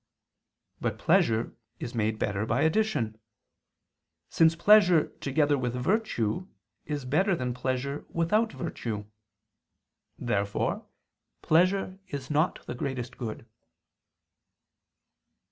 But pleasure is made better by addition; since pleasure together with virtue is better than pleasure without virtue. Therefore pleasure is not the greatest good.